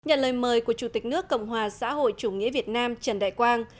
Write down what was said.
nhận lời mời của chủ tịch nước cộng hòa xã hội chủ nghĩa việt nam trần đại quang